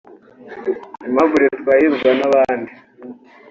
Aimable Twahirwa n’abandi